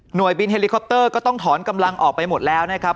บินเฮลิคอปเตอร์ก็ต้องถอนกำลังออกไปหมดแล้วนะครับ